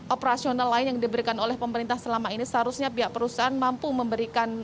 operasional lain yang diberikan oleh pemerintah selama ini seharusnya pihak perusahaan mampu memberikan